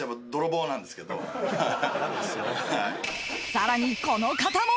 ［さらにこの方も］